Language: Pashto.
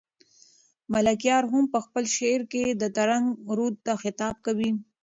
ملکیار هم په خپل شعر کې ترنک رود ته خطاب کوي.